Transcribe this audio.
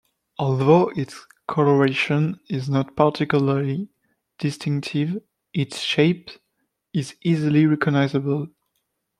Although its coloration is not particularly distinctive, its shape is easily recognizable.